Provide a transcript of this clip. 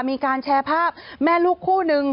มีการแชร์ภาพแม่ลูกคู่นึง